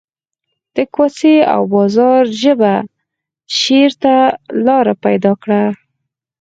د کوڅې او بازار ژبه شعر ته لار پیدا کړه